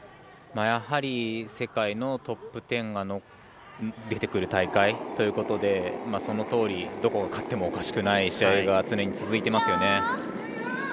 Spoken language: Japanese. やはり世界のトップ１０が出てくる大会ということでそのとおり、どこが勝ってもおかしくない試合が常に続いていますよね。